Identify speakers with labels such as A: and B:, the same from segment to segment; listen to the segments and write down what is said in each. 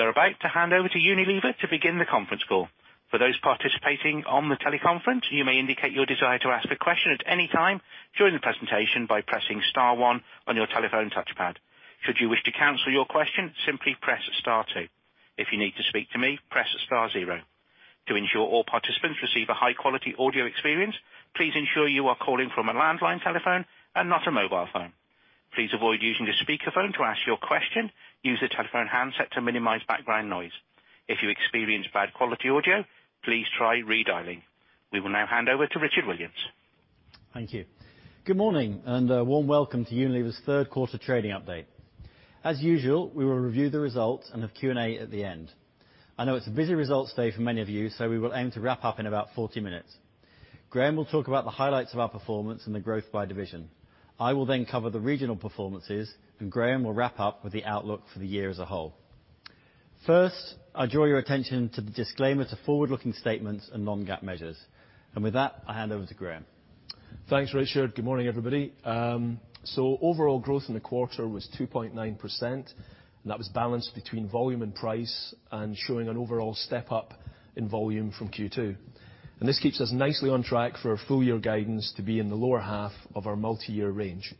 A: We are about to hand over to Unilever to begin the conference call. For those participating on the teleconference, you may indicate your desire to ask a question at any time during the presentation by pressing star one on your telephone touchpad. Should you wish to cancel your question, simply press star two. If you need to speak to me, press star zero. To ensure all participants receive a high-quality audio experience, please ensure you are calling from a landline telephone and not a mobile phone. Please avoid using a speakerphone to ask your question. Use a telephone handset to minimize background noise. If you experience bad quality audio, please try redialing. We will now hand over to Richard Williams.
B: Thank you. Good morning, and a warm welcome to Unilever's third quarter trading update. As usual, we will review the results and have Q&A at the end. I know it's a busy results day for many of you, so we will aim to wrap up in about 40 minutes. Graeme will talk about the highlights of our performance and the growth by division. I will then cover the regional performances, and Graeme will wrap up with the outlook for the year as a whole. First, I draw your attention to the disclaimer to forward-looking statements and non-GAAP measures. With that, I hand over to Graeme.
C: Thanks, Richard. Good morning, everybody. Overall growth in the quarter was 2.9%. That was balanced between volume and price showing an overall step-up in volume from Q2. This keeps us nicely on track for our full year guidance to be in the lower half of our multi-year range.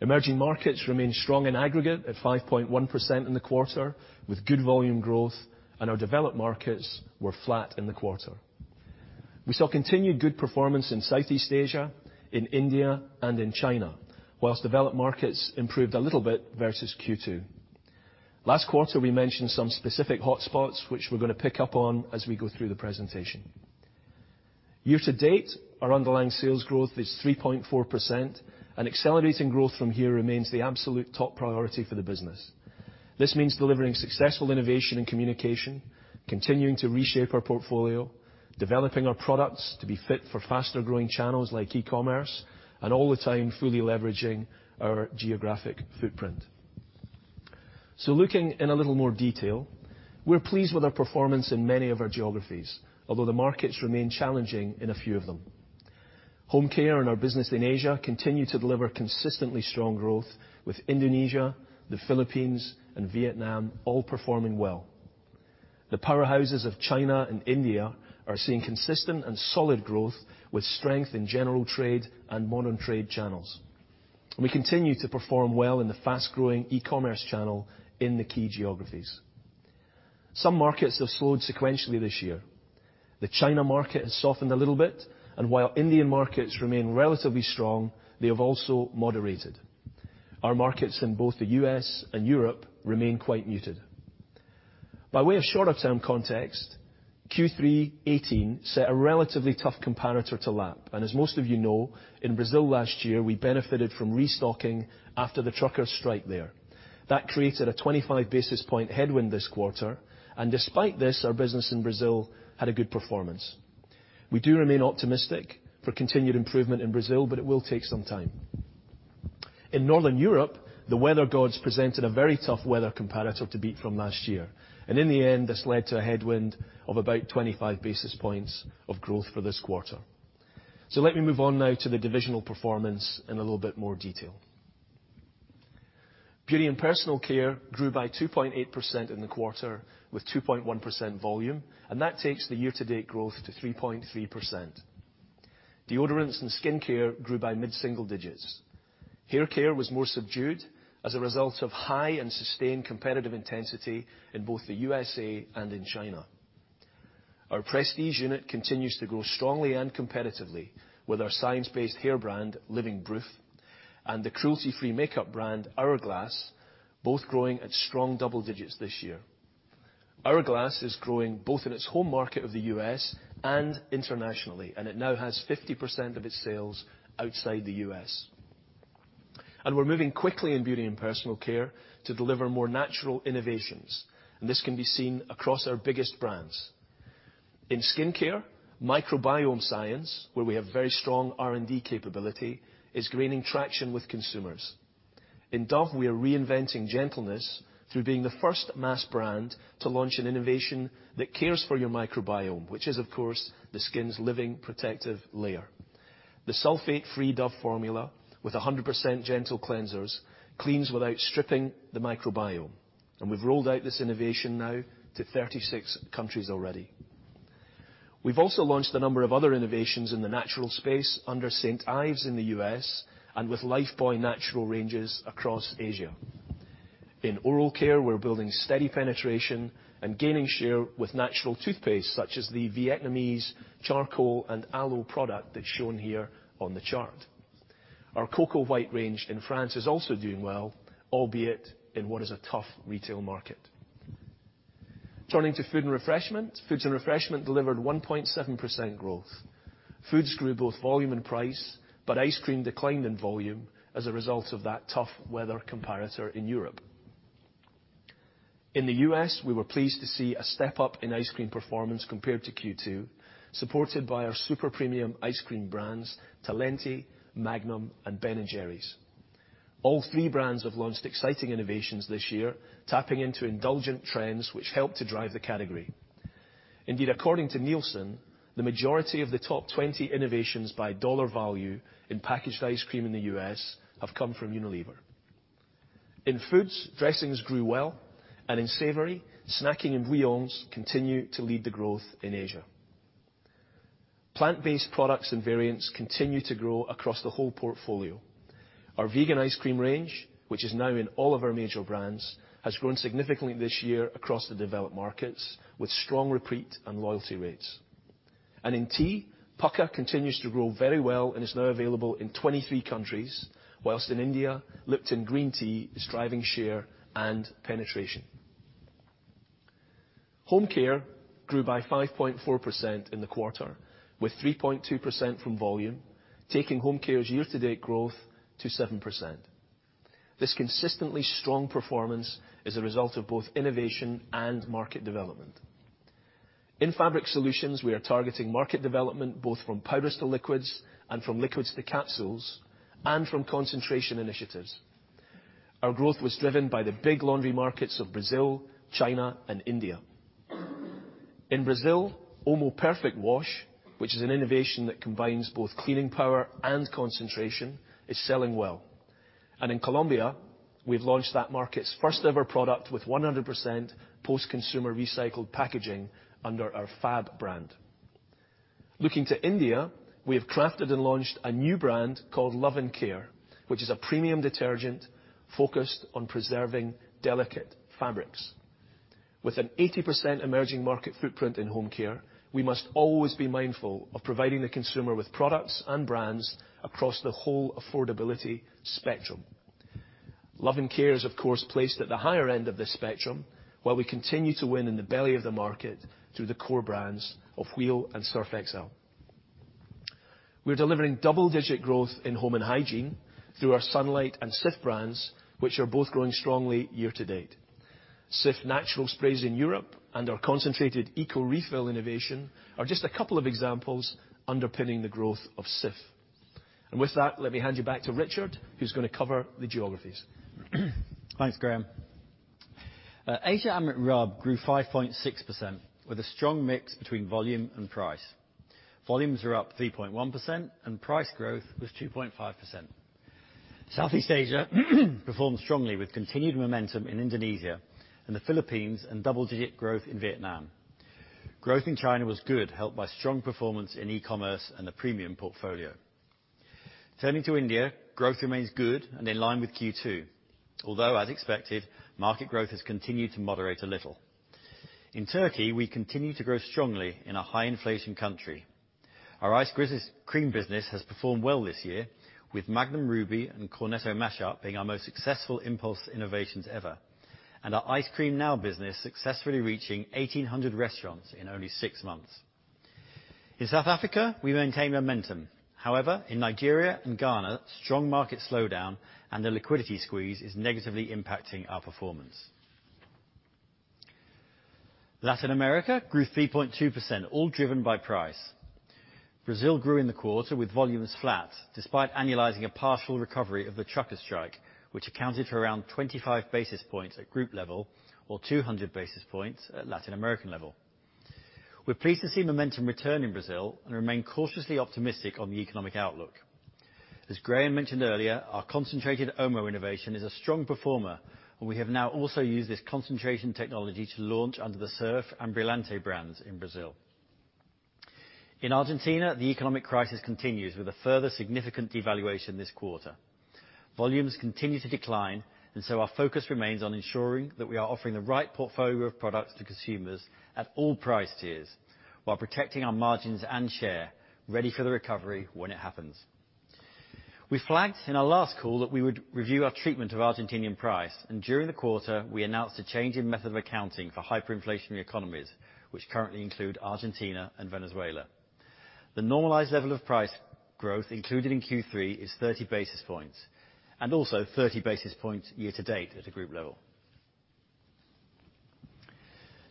C: Emerging markets remain strong in aggregate at 5.1% in the quarter, with good volume growth. Our developed markets were flat in the quarter. We saw continued good performance in Southeast Asia, in India, and in China, whilst developed markets improved a little bit versus Q2. Last quarter, we mentioned some specific hotspots, which we're going to pick up on as we go through the presentation. Year to date, our underlying sales growth is 3.4%. Accelerating growth from here remains the absolute top priority for the business. This means delivering successful innovation and communication, continuing to reshape our portfolio, developing our products to be fit for faster-growing channels like e-commerce, and all the time fully leveraging our geographic footprint. Looking in a little more detail, we're pleased with our performance in many of our geographies, although the markets remain challenging in a few of them. Home care and our business in Asia continue to deliver consistently strong growth with Indonesia, the Philippines, and Vietnam all performing well. The powerhouses of China and India are seeing consistent and solid growth with strength in general trade and modern trade channels. We continue to perform well in the fast-growing e-commerce channel in the key geographies. Some markets have slowed sequentially this year. The China market has softened a little bit, and while Indian markets remain relatively strong, they have also moderated. Our markets in both the U.S. and Europe remain quite muted. By way of shorter-term context, Q3 2018 set a relatively tough comparator to lap, and as most of you know, in Brazil last year, we benefited from restocking after the truckers' strike there. That created a 25 basis points headwind this quarter. Despite this, our business in Brazil had a good performance. We do remain optimistic for continued improvement in Brazil. It will take some time. In Northern Europe, the weather gods presented a very tough weather comparator to beat from last year. In the end, this led to a headwind of about 25 basis points of growth for this quarter. Let me move on now to the divisional performance in a little bit more detail. Beauty and personal care grew by 2.8% in the quarter, with 2.1% volume. That takes the year-to-date growth to 3.3%. Deodorants and skincare grew by mid-single digits. Hair care was more subdued as a result of high and sustained competitive intensity in both the U.S.A. and in China. Our prestige unit continues to grow strongly and competitively with our science-based hair brand, Living Proof, and the cruelty-free makeup brand, Hourglass, both growing at strong double digits this year. Hourglass is growing both in its home market of the U.S. and internationally. It now has 50% of its sales outside the U.S. We're moving quickly in beauty and personal care to deliver more natural innovations. This can be seen across our biggest brands. In skincare, microbiome science, where we have very strong R&D capability, is gaining traction with consumers. In Dove, we are reinventing gentleness through being the first mass brand to launch an innovation that cares for your microbiome, which is, of course, the skin's living protective layer. The sulfate-free Dove formula with 100% gentle cleansers cleans without stripping the microbiome. We've rolled out this innovation now to 36 countries already. We've also launched a number of other innovations in the natural space under St. Ives in the U.S. and with Lifebuoy natural ranges across Asia. In oral care, we're building steady penetration and gaining share with natural toothpaste, such as the Vietnamese charcoal and aloe product that's shown here on the chart. Our Signal White Now CC range in France is also doing well, albeit in what is a tough retail market. Turning to food and refreshment, foods and refreshment delivered 1.7% growth. Foods grew both volume and price. Ice cream declined in volume as a result of that tough weather comparator in Europe. In the U.S., we were pleased to see a step-up in ice cream performance compared to Q2, supported by our super premium ice cream brands, Talenti, Magnum, and Ben & Jerry's. All three brands have launched exciting innovations this year, tapping into indulgent trends which help to drive the category. Indeed, according to Nielsen, the majority of the top 20 innovations by dollar value in packaged ice cream in the U.S. have come from Unilever. In foods, dressings grew well, and in savory, snacking and bouillons continue to lead the growth in Asia. Plant-based products and variants continue to grow across the whole portfolio. Our vegan ice cream range, which is now in all of our major brands, has grown significantly this year across the developed markets, with strong repeat and loyalty rates. In tea, Pukka continues to grow very well and is now available in 23 countries, whilst in India, Lipton Green Tea is driving share and penetration. Home care grew by 5.4% in the quarter, with 3.2% from volume, taking home care's year-to-date growth to 7%. This consistently strong performance is a result of both innovation and market development. In Fabric Solutions, we are targeting market development, both from powders to liquids, and from liquids to capsules, and from concentration initiatives. Our growth was driven by the big laundry markets of Brazil, China, and India. In Brazil, Omo Perfect Wash, which is an innovation that combines both cleaning power and concentration, is selling well. In Colombia, we've launched that market's first-ever product with 100% post-consumer recycled packaging under our Fab brand. Looking to India, we have crafted and launched a new brand called Love & Care, which is a premium detergent focused on preserving delicate fabrics. With an 80% emerging market footprint in home care, we must always be mindful of providing the consumer with products and brands across the whole affordability spectrum. Love & Care is, of course, placed at the higher end of this spectrum, while we continue to win in the belly of the market through the core brands of Wheel and Surf Excel. We're delivering double-digit growth in home and hygiene through our Sunlight and Cif brands, which are both growing strongly year to date. Cif Natural Sprays in Europe and our concentrated Cif ecorefill innovation are just a couple of examples underpinning the growth of Cif. With that, let me hand you back to Richard, who's going to cover the geographies.
B: Thanks, Graeme. Asia/AMET/RUB grew 5.6%, with a strong mix between volume and price. Volumes were up 3.1% and price growth was 2.5%. Southeast Asia performed strongly with continued momentum in Indonesia and the Philippines, and double-digit growth in Vietnam. Growth in China was good, helped by strong performance in e-commerce and the premium portfolio. Turning to India, growth remains good and in line with Q2, although as expected, market growth has continued to moderate a little. In Turkey, we continue to grow strongly in a high-inflation country. Our Ice Cream Now business has performed well this year, with Magnum Ruby and Cornetto Mashup being our most successful impulse innovations ever, and our Ice Cream Now business successfully reaching 1,800 restaurants in only six months. In South Africa, we maintain momentum. However, in Nigeria and Ghana, strong market slowdown and the liquidity squeeze is negatively impacting our performance. Latin America grew 3.2%, all driven by price. Brazil grew in the quarter with volumes flat, despite annualizing a partial recovery of the trucker strike, which accounted for around 25 basis points at group level, or 200 basis points at Latin American level. We're pleased to see momentum return in Brazil and remain cautiously optimistic on the economic outlook. As Graeme mentioned earlier, our concentrated Omo innovation is a strong performer, and we have now also used this concentration technology to launch under the Surf and Brilhante brands in Brazil. In Argentina, the economic crisis continues with a further significant devaluation this quarter. Volumes continue to decline, and so our focus remains on ensuring that we are offering the right portfolio of products to consumers at all price tiers while protecting our margins and share, ready for the recovery when it happens. We flagged in our last call that we would review our treatment of Argentinian price. During the quarter, we announced a change in method of accounting for hyperinflationary economies, which currently include Argentina and Venezuela. The normalized level of price growth included in Q3 is 30 basis points, and also 30 basis points year-to-date at a group level.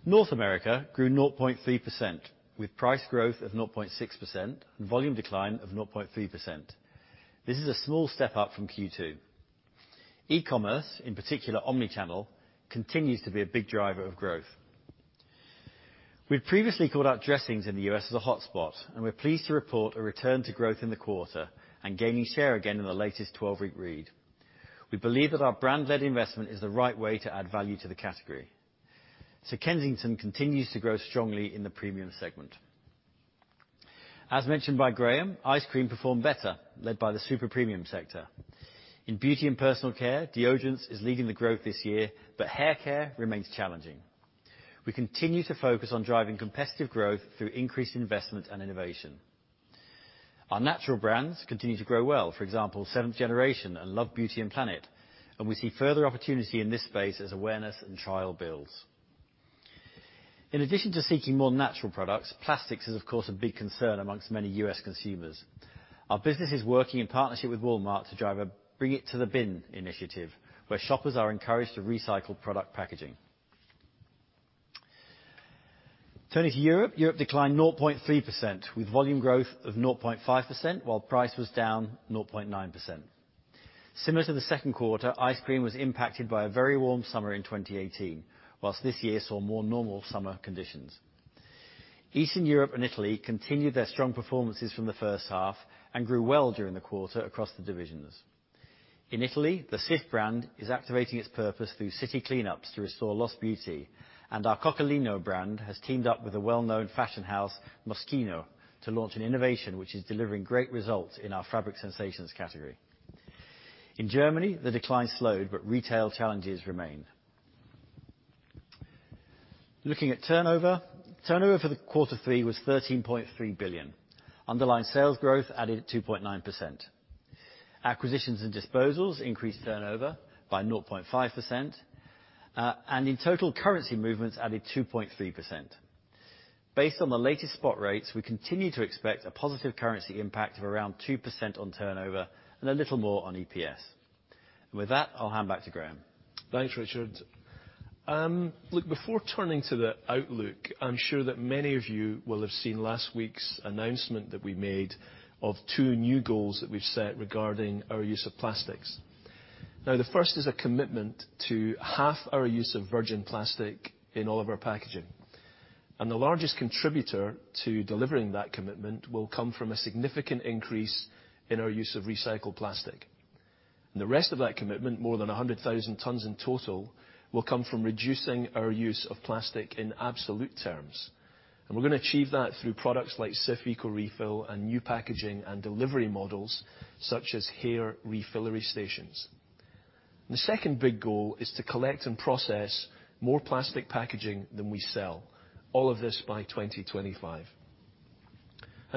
B: North America grew 0.3%, with price growth of 0.6% and volume decline of 0.3%. This is a small step up from Q2. E-commerce, in particular omni-channel, continues to be a big driver of growth. We've previously called out dressings in the U.S. as a hotspot, and we're pleased to report a return to growth in the quarter and gaining share again in the latest 12-week read. We believe that our brand-led investment is the right way to add value to the category. Sir Kensington continues to grow strongly in the premium segment. As mentioned by Graeme, ice cream performed better, led by the super premium sector. In beauty and personal care, deodorants is leading the growth this year, but haircare remains challenging. We continue to focus on driving competitive growth through increased investment and innovation. Our natural brands continue to grow well, for example, Seventh Generation and Love Beauty and Planet, and we see further opportunity in this space as awareness and trial builds. In addition to seeking more natural products, plastics is of course a big concern amongst many U.S. consumers. Our business is working in partnership with Walmart to drive a Bring It to the Bin initiative, where shoppers are encouraged to recycle product packaging. Turning to Europe declined 0.3%, with volume growth of 0.5%, while price was down 0.9%. Similar to the second quarter, ice cream was impacted by a very warm summer in 2018, whilst this year saw more normal summer conditions. Eastern Europe and Italy continued their strong performances from the first half and grew well during the quarter across the divisions. In Italy, the Cif brand is activating its purpose through city cleanups to restore lost beauty, and our Coccolino brand has teamed up with a well-known fashion house, Moschino, to launch an innovation which is delivering great results in our fabric sensations category. In Germany, the decline slowed, but retail challenges remain. Looking at turnover. Turnover for the quarter three was 13.3 billion. Underlying sales growth added 2.9%. Acquisitions and disposals increased turnover by 0.5%, and in total, currency movements added 2.3%. Based on the latest spot rates, we continue to expect a positive currency impact of around 2% on turnover and a little more on EPS. With that, I'll hand back to Graeme.
C: Thanks, Richard. Look, before turning to the outlook, I'm sure that many of you will have seen last week's announcement that we made of two new goals that we've set regarding our use of plastics. The first is a commitment to half our use of virgin plastic in all of our packaging, and the largest contributor to delivering that commitment will come from a significant increase in our use of recycled plastic. The rest of that commitment, more than 100,000 tons in total, will come from reducing our use of plastic in absolute terms. We're going to achieve that through products like Cif ecorefill and new packaging and delivery models such as hair refillery stations. The second big goal is to collect and process more plastic packaging than we sell, all of this by 2025.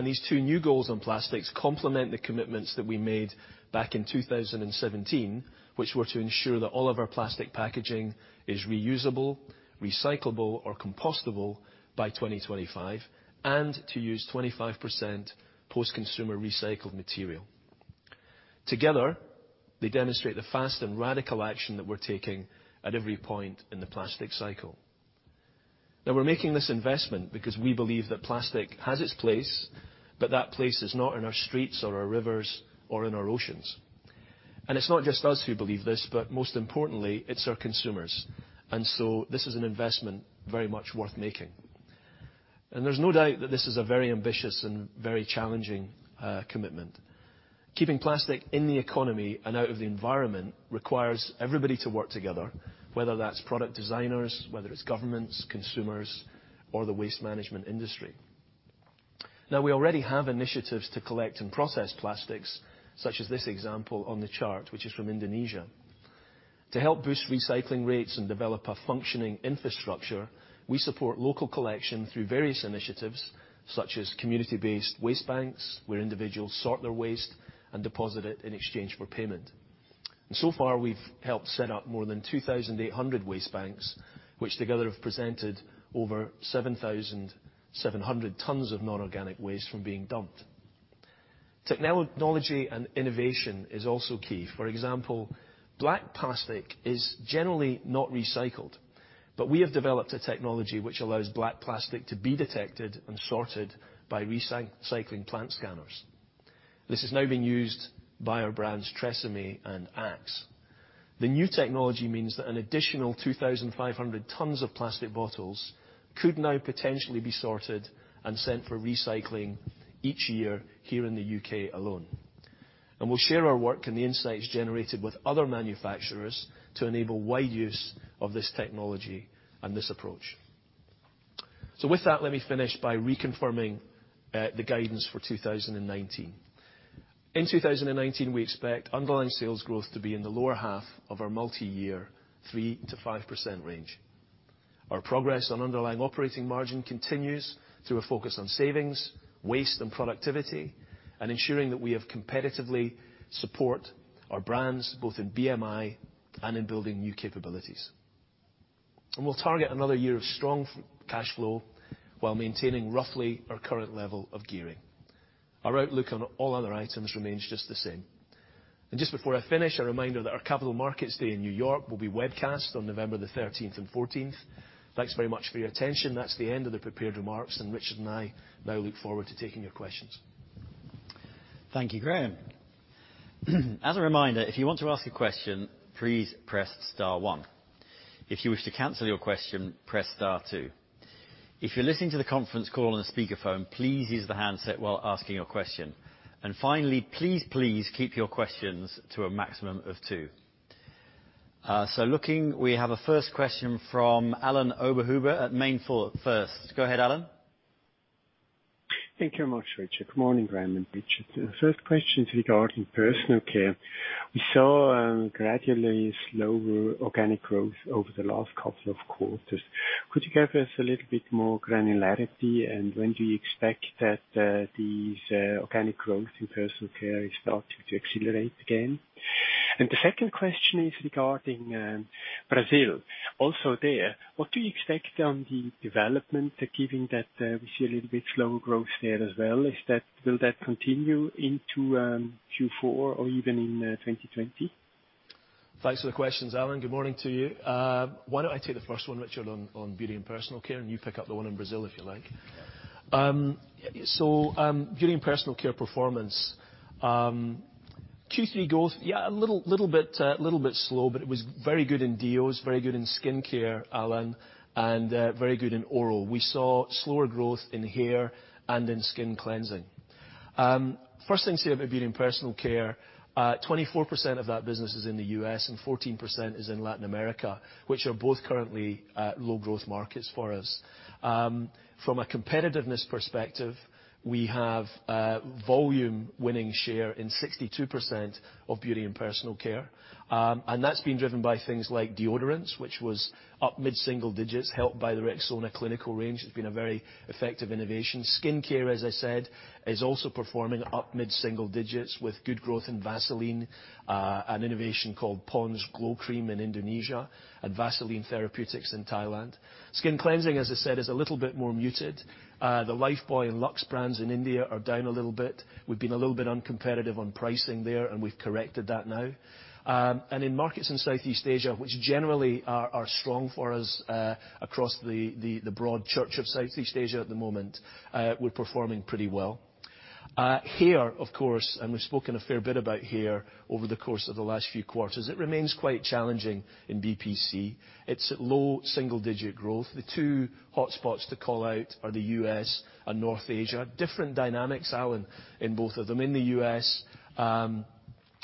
C: These two new goals on plastics complement the commitments that we made back in 2017, which were to ensure that all of our plastic packaging is reusable, recyclable, or compostable by 2025, and to use 25% post-consumer recycled material. Together, they demonstrate the fast and radical action that we're taking at every point in the plastic cycle. We're making this investment because we believe that plastic has its place, but that place is not in our streets or our rivers or in our oceans. It's not just us who believe this, but most importantly, it's our consumers. This is an investment very much worth making. There's no doubt that this is a very ambitious and very challenging commitment. Keeping plastic in the economy and out of the environment requires everybody to work together, whether that's product designers, whether it's governments, consumers, or the waste management industry. We already have initiatives to collect and process plastics, such as this example on the chart, which is from Indonesia. To help boost recycling rates and develop a functioning infrastructure, we support local collection through various initiatives, such as community-based waste banks, where individuals sort their waste and deposit it in exchange for payment. So far, we've helped set up more than 2,800 waste banks, which together have presented over 7,700 tons of non-organic waste from being dumped. Technology and innovation is also key. For example, black plastic is generally not recycled, but we have developed a technology which allows black plastic to be detected and sorted by recycling plant scanners. This is now being used by our brands TRESemmé and Axe. The new technology means that an additional 2,500 tons of plastic bottles could now potentially be sorted and sent for recycling each year here in the U.K. alone. We'll share our work and the insights generated with other manufacturers to enable wide use of this technology and this approach. With that, let me finish by reconfirming the guidance for 2019. In 2019, we expect underlying sales growth to be in the lower half of our multi-year 3%-5% range. Our progress on underlying operating margin continues through a focus on savings, waste, and productivity, and ensuring that we have competitively support our brands, both in BMI and in building new capabilities. We'll target another year of strong cash flow while maintaining roughly our current level of gearing. Our outlook on all other items remains just the same. Just before I finish, a reminder that our Capital Markets Day in New York will be webcast on November the 13th and 14th. Thanks very much for your attention. That's the end of the prepared remarks, and Richard and I now look forward to taking your questions.
B: Thank you, Graeme. As a reminder, if you want to ask a question, please press star one. If you wish to cancel your question, press star two. If you're listening to the conference call on speakerphone, please use the handset while asking your question. Finally, please keep your questions to a maximum of two. We have a first question from Alain Oberhuber at MainFirst. Go ahead, Alain.
D: Thank you very much, Richard. Good morning, Graeme and Richard. The first question is regarding personal care. We saw gradually slower organic growth over the last couple of quarters. Could you give us a little bit more granularity, and when do you expect that these organic growth in personal care is starting to accelerate again? The second question is regarding Brazil. Also there, what do you expect on the development, given that we see a little bit slower growth there as well? Will that continue into Q4 or even in 2020?
C: Thanks for the questions, Alain. Good morning to you. Why don't I take the first one, Richard, on Beauty and Personal Care, and you pick up the one in Brazil, if you like?
B: Yeah.
C: Beauty and personal care performance, Q3 growth, yeah, a little bit slow, but it was very good in DEOs, very good in skincare, Alain, and very good in oral. We saw slower growth in hair and in skin cleansing. First thing to say about beauty and personal care, 24% of that business is in the U.S., and 14% is in Latin America, which are both currently low-growth markets for us. From a competitiveness perspective, we have volume winning share in 62% of beauty and personal care, and that's been driven by things like deodorants, which was up mid-single digits, helped by the Rexona Clinical range. It's been a very effective innovation. Skincare, as I said, is also performing up mid-single digits with good growth in Vaseline, an innovation called Pond's Glow Cream in Indonesia, and Vaseline Therapeutics in Thailand. Skin cleansing, as I said, is a little bit more muted. The Lifebuoy and Lux brands in India are down a little bit. We've been a little bit uncompetitive on pricing there, and we've corrected that now. In markets in Southeast Asia, which generally are strong for us, across the broad church of Southeast Asia at the moment, we're performing pretty well. Hair, of course, we've spoken a fair bit about hair over the course of the last few quarters, it remains quite challenging in BPC. It's at low double-digit growth. The two hotspots to call out are the U.S. and North Asia. Different dynamics, Alain, in both of them. In the U.S.,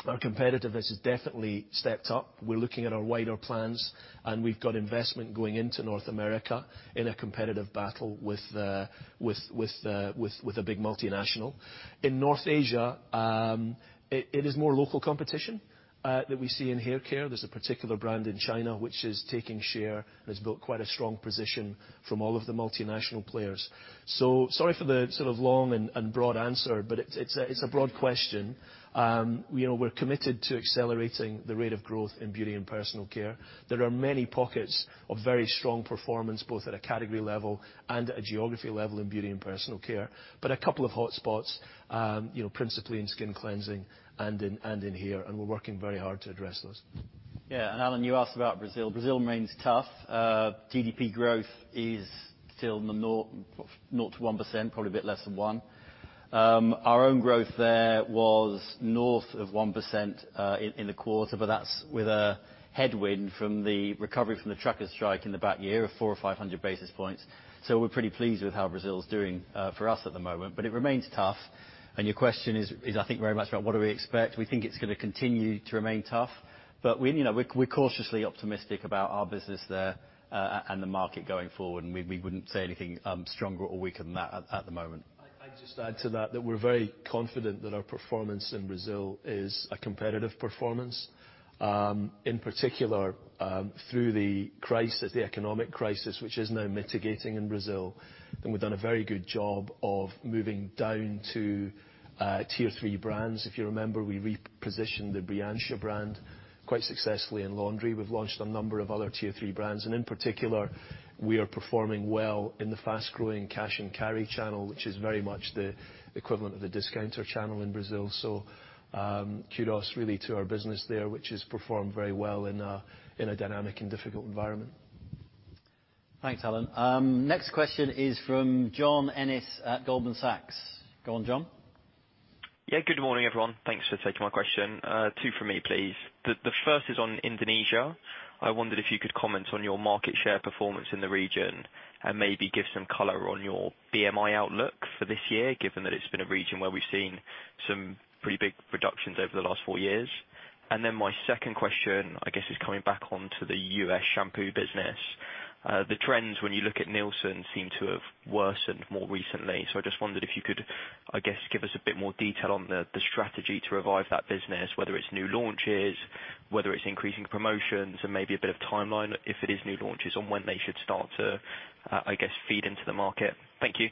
C: our competitiveness has definitely stepped up. We're looking at our wider plans, and we've got investment going into North America in a competitive battle with a big multinational. In North Asia, it is more local competition that we see in hair care. There's a particular brand in China which is taking share and has built quite a strong position from all of the multinational players. Sorry for the long and broad answer, but it's a broad question. We're committed to accelerating the rate of growth in beauty and personal care. There are many pockets of very strong performance, both at a category level and a geography level in beauty and personal care. A couple of hot spots, principally in skin cleansing and in hair, and we're working very hard to address those.
B: Yeah. Alain, you asked about Brazil. Brazil remains tough. GDP growth is still 0%-1%, probably a bit less than one. Our own growth there was north of 1% in the quarter, but that's with a headwind from the recovery from the truckers' strike in the back year of 400 or 500 basis points. We're pretty pleased with how Brazil is doing for us at the moment, but it remains tough. Your question is, I think, very much about what do we expect. We think it's going to continue to remain tough, but we're cautiously optimistic about our business there, and the market going forward, and we wouldn't say anything stronger or weaker than that at the moment.
C: I'd just add to that we're very confident that our performance in Brazil is a competitive performance, in particular, through the economic crisis, which is now mitigating in Brazil, and we've done a very good job of moving down to tier 3 brands. If you remember, we repositioned the Bianca brand quite successfully in laundry. We've launched a number of other tier 3 brands, and in particular, we are performing well in the fast-growing cash and carry channel, which is very much the equivalent of the discounter channel in Brazil. Kudos really to our business there, which has performed very well in a dynamic and difficult environment.
B: Thanks, Alan. Next question is from John Ennis at Goldman Sachs. Go on, John.
E: Yeah, good morning, everyone. Thanks for taking my question. Two from me, please. The first is on Indonesia. I wondered if you could comment on your market share performance in the region and maybe give some color on your BMI outlook for this year, given that it's been a region where we've seen some pretty big reductions over the last four years. My second question, I guess, is coming back onto the U.S. shampoo business. The trends, when you look at Nielsen, seem to have worsened more recently. I just wondered if you could, I guess, give us a bit more detail on the strategy to revive that business, whether it's new launches, whether it's increasing promotions, and maybe a bit of timeline if it is new launches on when they should start to, I guess, feed into the market. Thank you.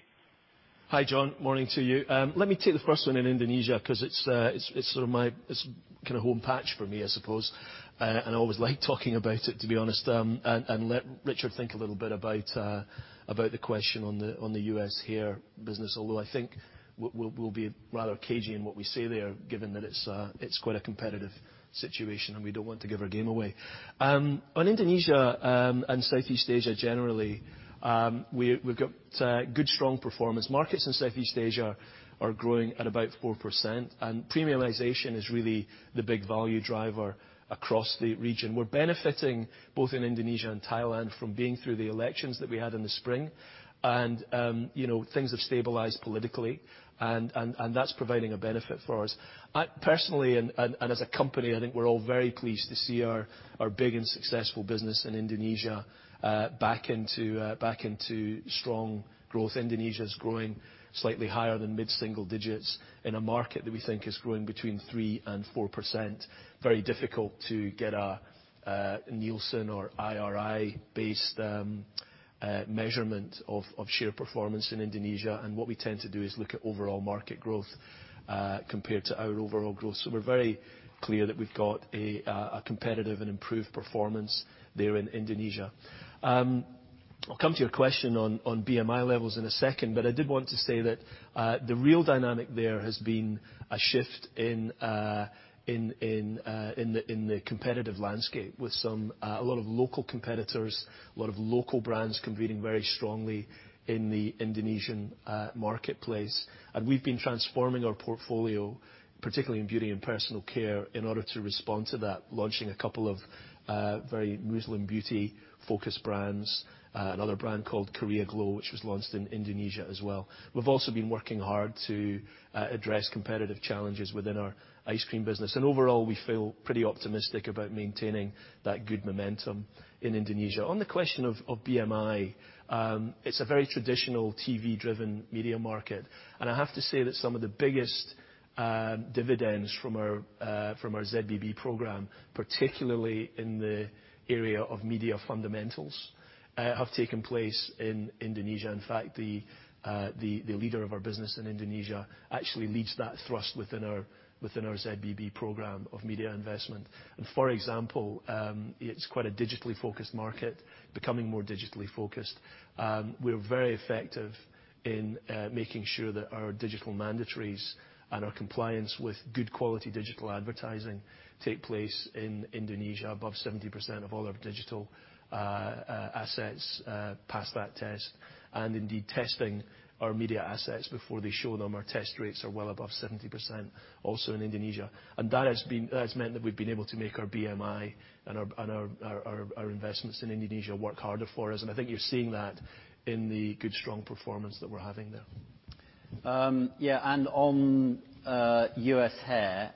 C: Hi, John. Morning to you. Let me take the first one in Indonesia because it's home patch for me, I suppose, and I always like talking about it, to be honest, and let Richard think a little bit about the question on the U.S. hair business. I think we'll be rather cagey in what we say there, given that it's quite a competitive situation, and we don't want to give our game away. Indonesia and Southeast Asia generally, we've got good, strong performance. Markets in Southeast Asia are growing at about 4%. Premiumization is really the big value driver across the region. We're benefiting both in Indonesia and Thailand from being through the elections that we had in the spring. Things have stabilized politically. That's providing a benefit for us. Personally, and as a company, I think we're all very pleased to see our big and successful business in Indonesia back into strong growth. Indonesia is growing slightly higher than mid-single digits in a market that we think is growing between 3% and 4%. Very difficult to get a Nielsen or IRI-based measurement of share performance in Indonesia. What we tend to do is look at overall market growth compared to our overall growth. We're very clear that we've got a competitive and improved performance there in Indonesia. I'll come to your question on BMI levels in a second. I did want to say that the real dynamic there has been a shift in the competitive landscape with a lot of local competitors, a lot of local brands competing very strongly in the Indonesian marketplace. We've been transforming our portfolio, particularly in beauty and personal care, in order to respond to that, launching a couple of very Muslim beauty-focused brands, another brand called Korea Glow, which was launched in Indonesia as well. We've also been working hard to address competitive challenges within our ice cream business. Overall, we feel pretty optimistic about maintaining that good momentum in Indonesia. On the question of BMI, it's a very traditional TV-driven media market. I have to say that some of the biggest dividends from our ZBB program, particularly in the area of media fundamentals, have taken place in Indonesia. In fact, the leader of our business in Indonesia actually leads that thrust within our ZBB program of media investment. For example, it's quite a digitally-focused market, becoming more digitally-focused. We're very effective in making sure that our digital mandatories and our compliance with good quality digital advertising take place in Indonesia. Above 70% of all our digital assets pass that test, and indeed, testing our media assets before they show them. Our test rates are well above 70% also in Indonesia. That has meant that we've been able to make our BMI and our investments in Indonesia work harder for us. I think you're seeing that in the good, strong performance that we're having there.
B: On U.S. hair,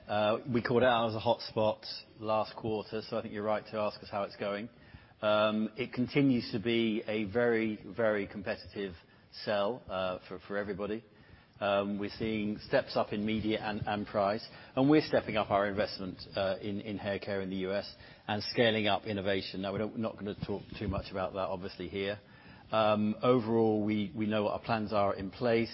B: we called it out as a hotspot last quarter. I think you're right to ask us how it's going. It continues to be a very competitive sell for everybody. We're seeing steps up in media and price. We're stepping up our investment in hair care in the U.S. and scaling up innovation. We're not going to talk too much about that obviously here. Overall, we know our plans are in place.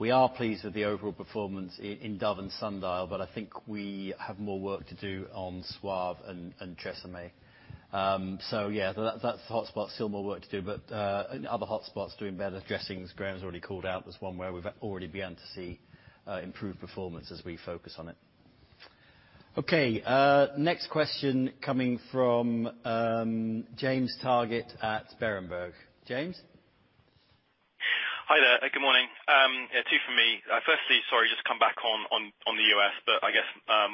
B: We are pleased with the overall performance in Dove and Sundial. I think we have more work to do on Suave and TRESemmé. Yeah, that hotspot, still more work to do. In other hotspots doing better, dressings, Graeme's already called out as one where we've already begun to see improved performance as we focus on it. Okay. Next question coming from James Targett at Berenberg. James?
F: Hi there. Good morning. Yeah, two for me. Firstly, sorry, just come back on the U.S., but I guess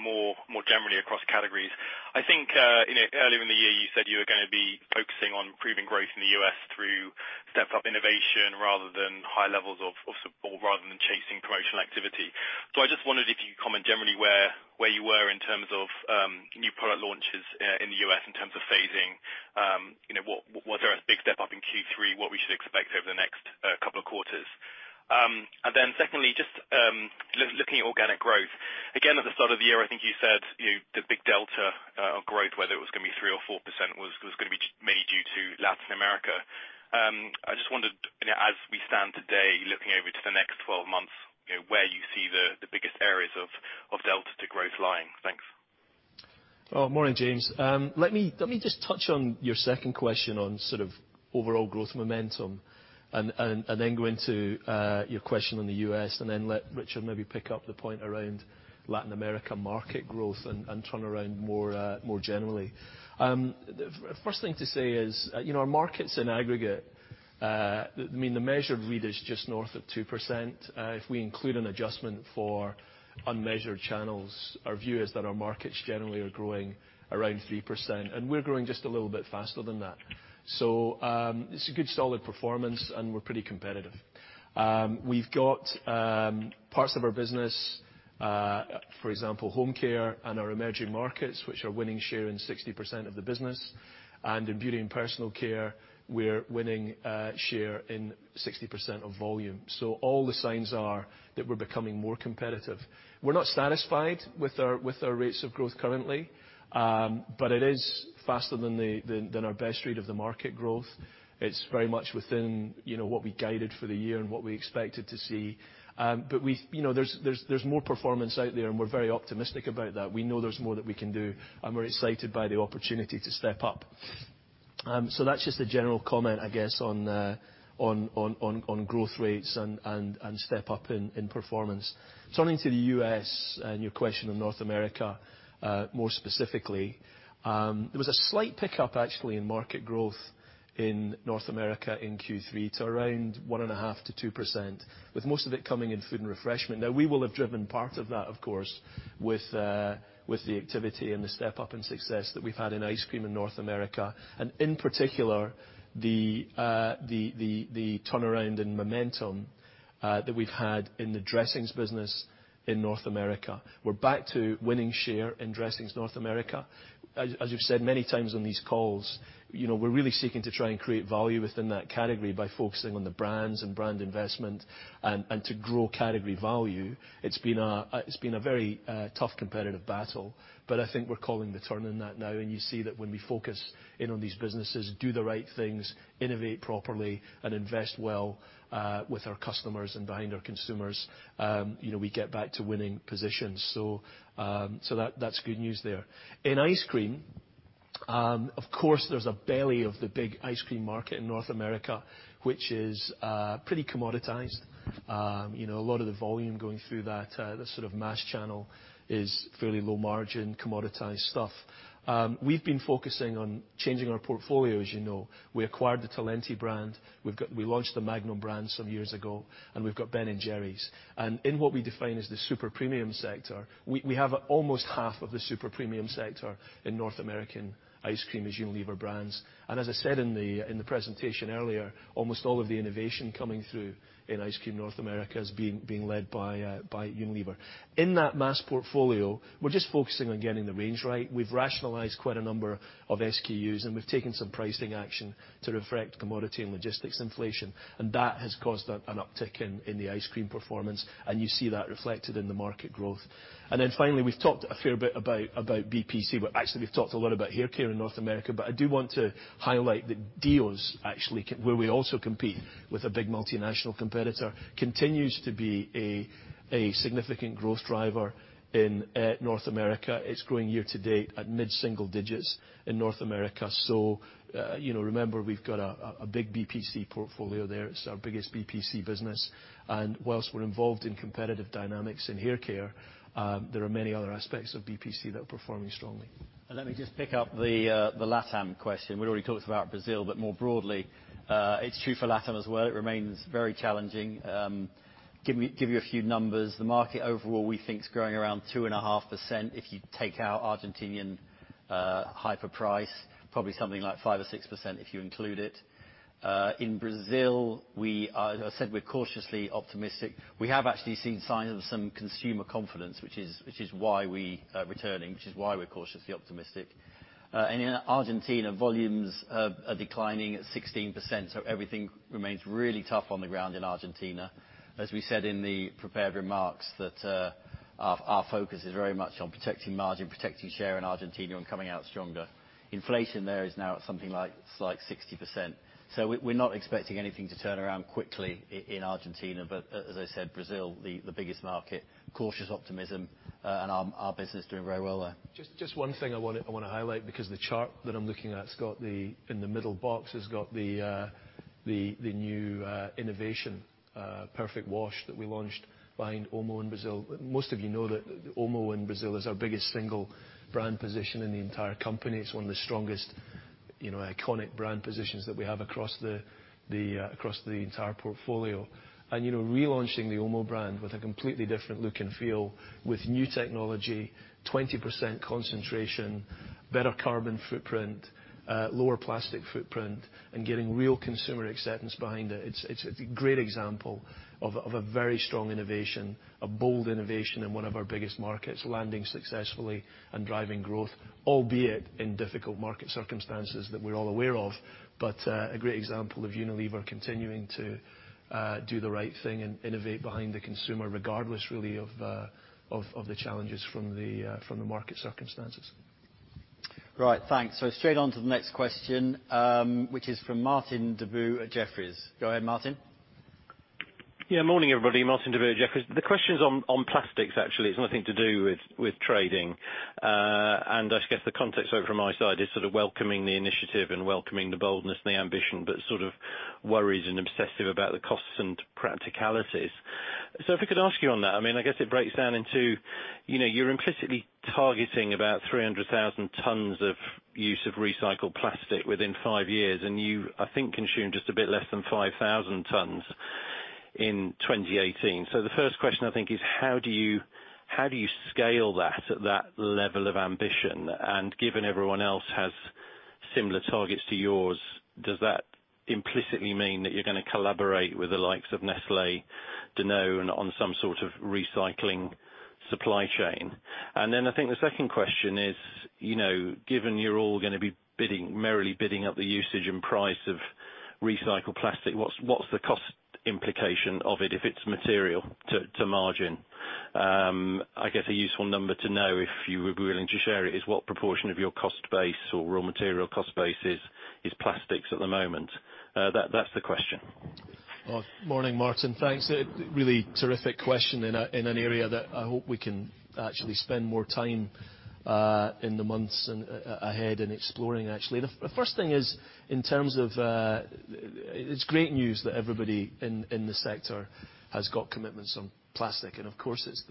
F: more generally across categories. I think earlier in the year, you said you were going to be focusing on improving growth in the U.S. through step-up innovation rather than high levels of support rather than chasing promotional activity. I just wondered if you could comment generally where you were in terms of new product launches in the U.S. in terms of phasing. Was there a big step-up in Q3, what we should expect over the next couple of quarters? Secondly, just looking at organic growth. Again, at the start of the year, I think you said the big delta of growth, whether it was going to be 3% or 4% was going to be mainly due to Latin America. I just wondered, as we stand today, looking over to the next 12 months, where you see the biggest areas of delta to growth lying. Thanks.
C: Morning, James. Let me just touch on your second question on sort of overall growth momentum. Then go into your question on the U.S. Then let Richard maybe pick up the point around Latin America market growth. Turnaround more generally. First thing to say is, our markets in aggregate, the measured read is just north of 2%. If we include an adjustment for unmeasured channels, our view is that our markets generally are growing around 3%. We're growing just a little bit faster than that. It's a good, solid performance. We're pretty competitive. We've got parts of our business, for example, home care and our emerging markets, which are winning share in 60% of the business. In beauty and personal care, we're winning share in 60% of volume. All the signs are that we're becoming more competitive. We're not satisfied with our rates of growth currently. It is faster than our best read of the market growth. It's very much within what we guided for the year and what we expected to see. There's more performance out there, and we're very optimistic about that. We know there's more that we can do, and we're excited by the opportunity to step up. That's just a general comment, I guess, on growth rates and step-up in performance. Turning to the U.S. and your question on North America more specifically, there was a slight pickup actually in market growth in North America in Q3 to around 1.5%-2%, with most of it coming in food and refreshment. We will have driven part of that, of course, with the activity and the step-up in success that we've had in ice cream in North America, and in particular, the turnaround in momentum that we've had in the dressings business in North America. We're back to winning share in dressings North America. As you've said many times on these calls, we're really seeking to try and create value within that category by focusing on the brands and brand investment and to grow category value. It's been a very tough competitive battle, but I think we're calling the turn on that now, and you see that when we focus in on these businesses, do the right things, innovate properly, and invest well with our customers and behind our consumers, we get back to winning positions. That's good news there. In ice cream, of course, there's a belly of the big ice cream market in North America, which is pretty commoditized. A lot of the volume going through that sort of mass channel is fairly low margin, commoditized stuff. We've been focusing on changing our portfolio, as you know. We acquired the Talenti brand. We launched the Magnum brand some years ago, and we've got Ben & Jerry's. In what we define as the super premium sector, we have almost half of the super premium sector in North American ice cream as Unilever brands. As I said in the presentation earlier, almost all of the innovation coming through in ice cream North America is being led by Unilever. In that mass portfolio, we're just focusing on getting the range right. We've rationalized quite a number of SKUs, and we've taken some pricing action to reflect commodity and logistics inflation, and that has caused an uptick in the ice cream performance, and you see that reflected in the market growth. Finally, we've talked a fair bit about BPC, but actually, we've talked a lot about haircare in North America, but I do want to highlight that deos actually, where we also compete with a big multinational competitor, continues to be a significant growth driver in North America. It's growing year to date at mid-single digits in North America. Remember, we've got a big BPC portfolio there. It's our biggest BPC business. Whilst we're involved in competitive dynamics in haircare, there are many other aspects of BPC that are performing strongly.
B: Let me just pick up the LATAM question. We'd already talked about Brazil, more broadly, it's true for LATAM as well. It remains very challenging. Give you a few numbers. The market overall, we think, is growing around 2.5% if you take out Argentinian hyper-price, probably something like 5% or 6% if you include it. In Brazil, as I said, we're cautiously optimistic. We have actually seen signs of some consumer confidence, which is why we are returning, which is why we're cautiously optimistic. In Argentina, volumes are declining at 16%, so everything remains really tough on the ground in Argentina. As we said in the prepared remarks, that our focus is very much on protecting margin, protecting share in Argentina and coming out stronger. Inflation there is now at something like 60%. We're not expecting anything to turn around quickly in Argentina. As I said, Brazil, the biggest market, cautious optimism, and our business is doing very well there.
C: Just one thing I want to highlight because the chart that I'm looking at, it's got in the middle box, has got the new innovation, Perfect Wash, that we launched behind Omo in Brazil. Most of you know that Omo in Brazil is our biggest single brand position in the entire company. It's one of the strongest, iconic brand positions that we have across the entire portfolio. Relaunching the Omo brand with a completely different look and feel with new technology, 20% concentration, better carbon footprint, lower plastic footprint, and getting real consumer acceptance behind it. It's a great example of a very strong innovation, a bold innovation in one of our biggest markets, landing successfully and driving growth, albeit in difficult market circumstances that we're all aware of. A great example of Unilever continuing to do the right thing and innovate behind the consumer, regardless, really, of the challenges from the market circumstances.
B: Right. Thanks. Straight on to the next question, which is from Martin Deboo at Jefferies. Go ahead, Martin.
G: Yeah, morning, everybody. Martin Deboo, Jefferies. The question's on plastics, actually. It's nothing to do with trading. I guess the context from my side is sort of welcoming the initiative and welcoming the boldness and the ambition, but sort of worries and obsessive about the costs and practicalities. If I could ask you on that, I guess it breaks down into, you're implicitly targeting about 300,000 tons of use of recycled plastic within five years, and you, I think, consumed just a bit less than 5,000 tons in 2018. Given everyone else has similar targets to yours, does that implicitly mean that you're going to collaborate with the likes of Nestlé, Danone on some sort of recycling supply chain? I think the second question is, given you're all going to be merrily bidding up the usage and price of recycled plastic, what's the cost implication of it if it's material to margin? I guess a useful number to know, if you would be willing to share it, is what proportion of your cost base or raw material cost base is plastics at the moment? That's the question.
C: Well, morning, Martin. Thanks. A really terrific question in an area that I hope we can actually spend more time in the months ahead in exploring, actually. The first thing is, it's great news that everybody in the sector has got commitments on plastic. Of course, it's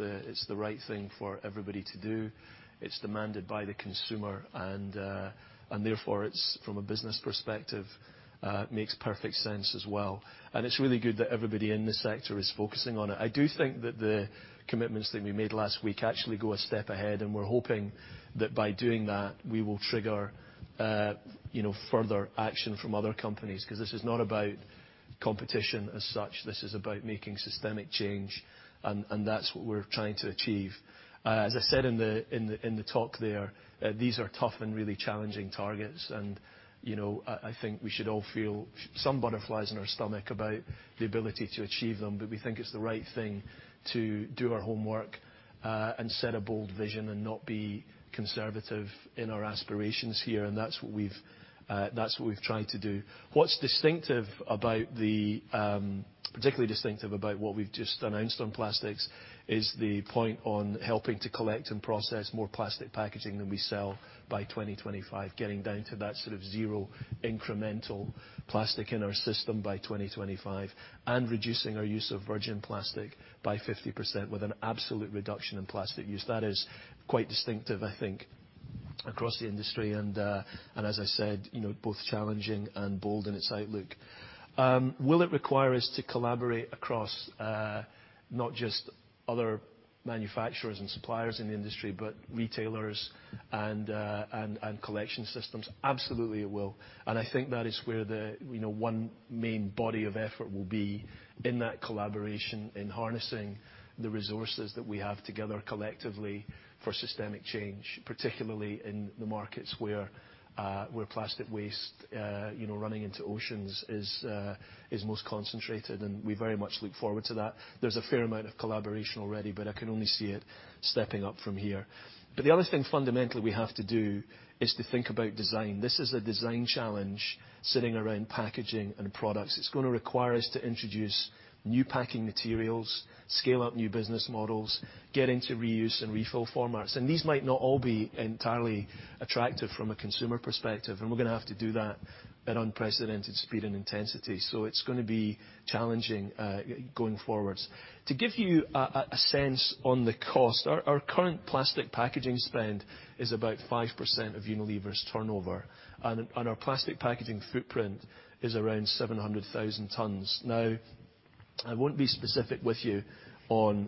C: the right thing for everybody to do. It's demanded by the consumer, and therefore, from a business perspective, makes perfect sense as well. It's really good that everybody in the sector is focusing on it. I do think that the commitments that we made last week actually go a step ahead, and we're hoping that by doing that, we will trigger further action from other companies, because this is not about competition as such. This is about making systemic change, and that's what we're trying to achieve. As I said in the talk there, these are tough and really challenging targets. I think we should all feel some butterflies in our stomach about the ability to achieve them. We think it's the right thing to do our homework, set a bold vision and not be conservative in our aspirations here, and that's what we've tried to do. What's particularly distinctive about what we've just announced on plastics is the point on helping to collect and process more plastic packaging than we sell by 2025, getting down to that sort of zero incremental plastic in our system by 2025 and reducing our use of virgin plastic by 50% with an absolute reduction in plastic use. That is quite distinctive, I think across the industry. As I said, both challenging and bold in its outlook. Will it require us to collaborate across not just other manufacturers and suppliers in the industry, but retailers and collection systems? Absolutely it will. I think that is where the one main body of effort will be in that collaboration, in harnessing the resources that we have together collectively for systemic change, particularly in the markets where plastic waste running into oceans is most concentrated. We very much look forward to that. There's a fair amount of collaboration already. I can only see it stepping up from here. The other thing fundamentally we have to do is to think about design. This is a design challenge sitting around packaging and products. It's going to require us to introduce new packing materials, scale up new business models, get into reuse and refill formats. These might not all be entirely attractive from a consumer perspective, and we're going to have to do that at unprecedented speed and intensity. It's going to be challenging going forwards. To give you a sense on the cost, our current plastic packaging spend is about 5% of Unilever's turnover, and our plastic packaging footprint is around 700,000 tons. I won't be specific with you on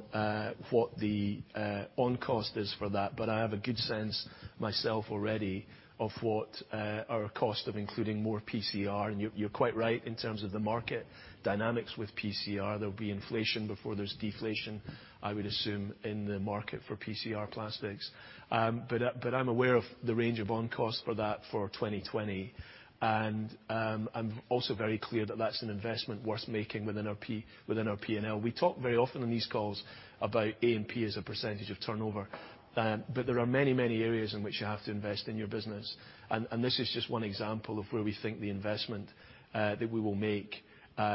C: what the on-cost is for that, but I have a good sense myself already of what our cost of including more PCR. You're quite right in terms of the market dynamics with PCR. There'll be inflation before there's deflation, I would assume, in the market for PCR plastics. I'm aware of the range of on-cost for that for 2020, and I'm also very clear that that's an investment worth making within our P&L. We talk very often on these calls about A&P as a percentage of turnover, but there are many areas in which you have to invest in your business. This is just one example of where we think the investment that we will make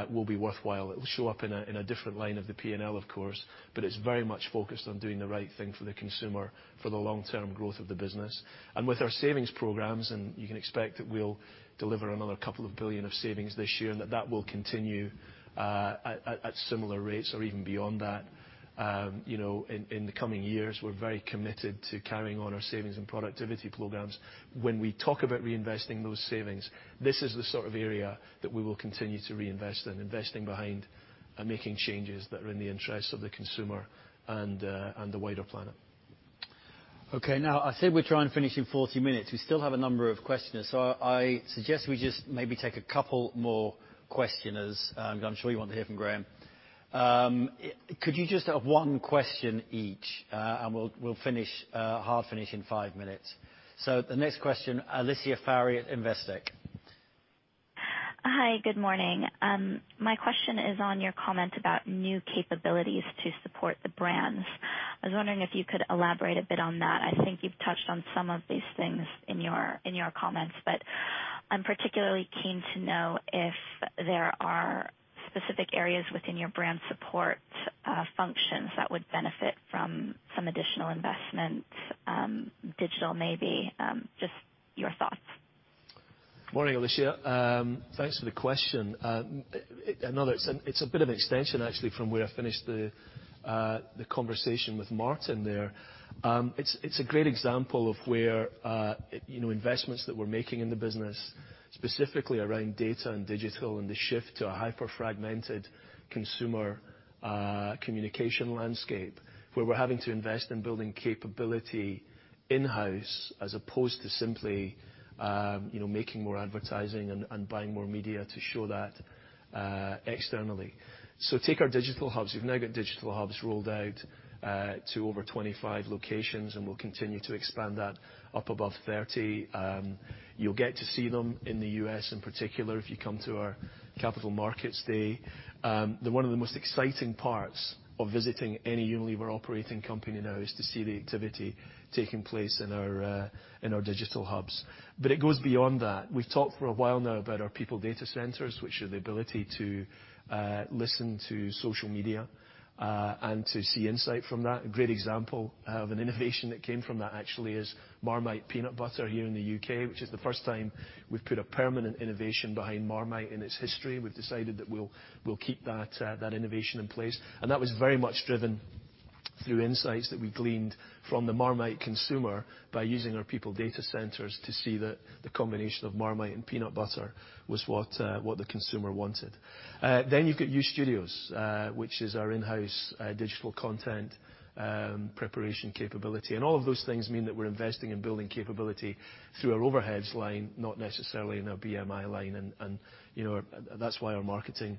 C: will be worthwhile. It will show up in a different line of the P&L, of course, but it's very much focused on doing the right thing for the consumer for the long-term growth of the business. With our savings programs, and you can expect that we'll deliver another couple of billion EUR of savings this year, and that will continue at similar rates or even beyond that in the coming years. We're very committed to carrying on our savings and productivity programs. When we talk about reinvesting those savings, this is the sort of area that we will continue to reinvest in, investing behind and making changes that are in the interest of the consumer and the wider planet.
B: Okay. I said we'd try and finish in 40 minutes. We still have a number of questioners. I suggest we just maybe take a couple more questioners because I'm sure you want to hear from Graeme. Could you just have one question each. We'll hard finish in five minutes. The next question, Alicia Forry at Investec.
H: Hi. Good morning. My question is on your comment about new capabilities to support the brands. I was wondering if you could elaborate a bit on that. I think you've touched on some of these things in your comments, but I'm particularly keen to know if there are specific areas within your brand support functions that would benefit from some additional investment, digital maybe. Just your thoughts.
C: Morning, Alicia. Thanks for the question. It's a bit of an extension, actually, from where I finished the conversation with Martin there. It's a great example of where investments that we're making in the business, specifically around data and digital and the shift to a hyper-fragmented consumer communication landscape, where we're having to invest in building capability in-house as opposed to simply making more advertising and buying more media to show that externally. Take our digital hubs. We've now got digital hubs rolled out to over 25 locations, and we'll continue to expand that up above 30. You'll get to see them in the U.S. in particular if you come to our Capital Markets Day. One of the most exciting parts of visiting any Unilever operating company now is to see the activity taking place in our digital hubs. It goes beyond that. We've talked for a while now about our people data centers, which are the ability to listen to social media and to see insight from that. A great example of an innovation that came from that actually is Marmite peanut butter here in the U.K., which is the first time we've put a permanent innovation behind Marmite in its history. We've decided that we'll keep that innovation in place. That was very much driven through insights that we gleaned from the Marmite consumer by using our people data centers to see that the combination of Marmite and peanut butter was what the consumer wanted. You've got U-Studio, which is our in-house digital content preparation capability. All of those things mean that we're investing in building capability through our overheads line, not necessarily in our BMI line. That's why our marketing,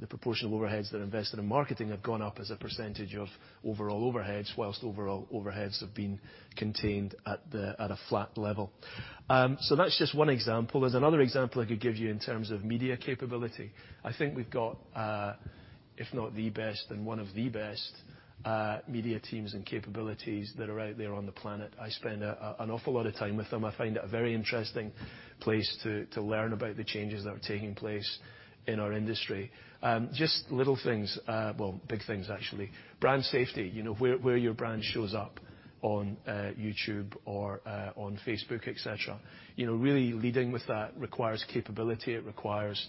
C: the proportion of overheads that are invested in marketing have gone up as a percentage of overall overheads, while overall overheads have been contained at a flat level. That's just one example. There's another example I could give you in terms of media capability. I think we've got, if not the best, then one of the best media teams and capabilities that are out there on the planet. I spend an awful lot of time with them. I find it a very interesting place to learn about the changes that are taking place in our industry. Just little things, well, big things actually. Brand safety, where your brand shows up on YouTube or on Facebook, et cetera. Really leading with that requires capability, it requires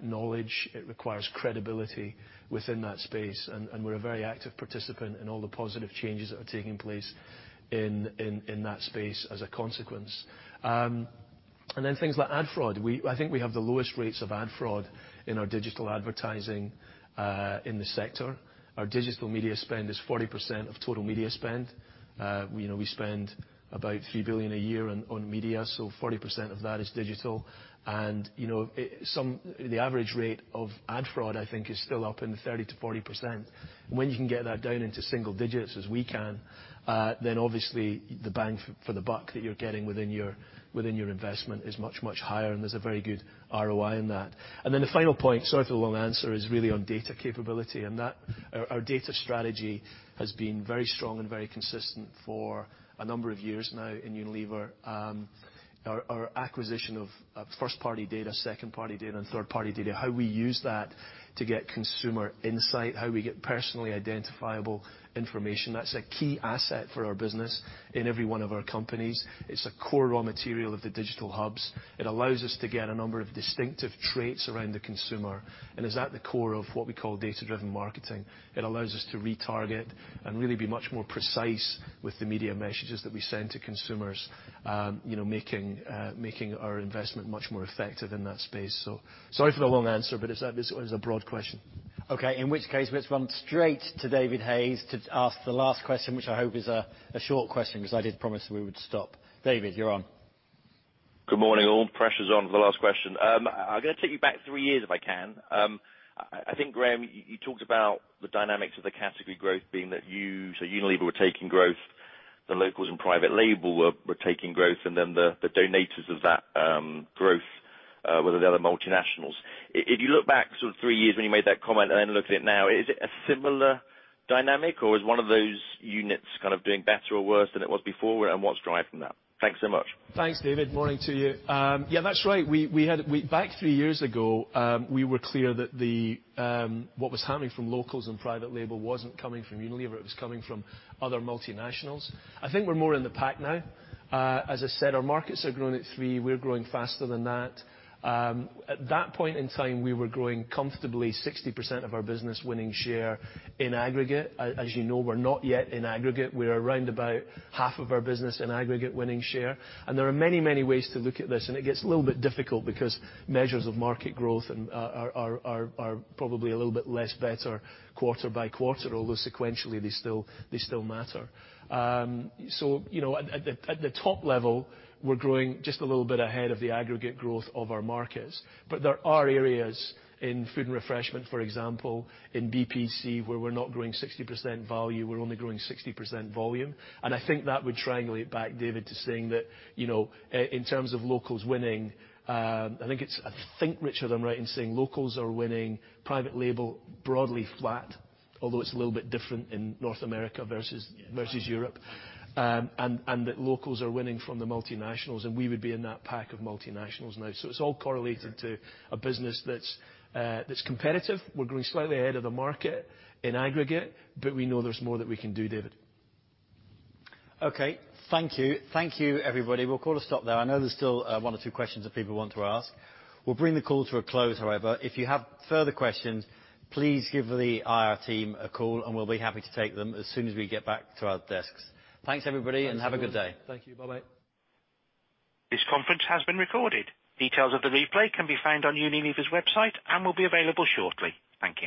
C: knowledge, it requires credibility within that space, and we're a very active participant in all the positive changes that are taking place in that space as a consequence. Things like ad fraud. I think we have the lowest rates of ad fraud in our digital advertising in the sector. Our digital media spend is 40% of total media spend. We spend about 3 billion a year on media, 40% of that is digital. The average rate of ad fraud, I think, is still up in 30%-40%. When you can get that down into single digits as we can, then obviously the bang for the buck that you're getting within your investment is much, much higher, and there's a very good ROI in that. The final point, sorry for the long answer, is really on data capability. Our data strategy has been very strong and very consistent for a number of years now in Unilever. Our acquisition of first-party data, second-party data, and third-party data, how we use that to get consumer insight, how we get personally identifiable information, that's a key asset for our business in every one of our companies. It's a core raw material of the digital hubs. It allows us to get a number of distinctive traits around the consumer, and is at the core of what we call data-driven marketing. It allows us to retarget and really be much more precise with the media messages that we send to consumers, making our investment much more effective in that space. Sorry for the long answer, but it was a broad question.
B: Okay, in which case, let's run straight to David Hayes to ask the last question, which I hope is a short question, because I did promise that we would stop. David, you're on.
I: Good morning, all. Pressure's on for the last question. I'm going to take you back three years if I can. I think, Graeme, you talked about the dynamics of the category growth being that you, so Unilever, were taking growth, the locals and private label were taking growth, and then the donators of that growth were the other multinationals. If you look back sort of three years when you made that comment, and then look at it now, is it a similar dynamic, or is one of those units kind of doing better or worse than it was before, and what's driving that? Thanks so much.
C: Thanks, David. Morning to you. Yeah, that's right. Back three years ago, we were clear that what was happening from locals and private label wasn't coming from Unilever, it was coming from other multinationals. I think we're more in the pack now. As I said, our markets are growing at 3%. We're growing faster than that. At that point in time, we were growing comfortably 60% of our business winning share in aggregate. As you know, we're not yet in aggregate. We're around about half of our business in aggregate winning share. There are many, many ways to look at this, and it gets a little bit difficult because measures of market growth are probably a little bit less better quarter by quarter, although sequentially they still matter. At the top level, we're growing just a little bit ahead of the aggregate growth of our markets. There are areas in food and refreshment, for example, in BPC, where we're not growing 60% value, we're only growing 60% volume. I think that would triangulate back, David, to saying that in terms of locals winning, I think, Richard, I'm right in saying locals are winning, private label broadly flat, although it's a little bit different in North America versus Europe, and that locals are winning from the multinationals, and we would be in that pack of multinationals now. It's all correlated to a business that's competitive. We're growing slightly ahead of the market in aggregate, but we know there's more that we can do, David.
B: Okay. Thank you. Thank you, everybody. We'll call a stop there. I know there's still one or two questions that people want to ask. We'll bring the call to a close, however. If you have further questions, please give the IR team a call, and we'll be happy to take them as soon as we get back to our desks. Thanks, everybody, and have a good day.
C: Thank you. Bye-bye.
A: This conference has been recorded. Details of the replay can be found on Unilever's website and will be available shortly. Thank you.